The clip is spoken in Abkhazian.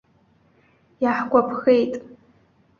Иаҳгәаԥхеит.